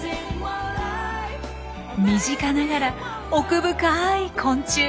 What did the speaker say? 身近ながら奥深い昆虫。